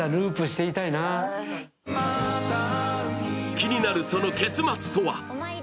気になるその結末とは？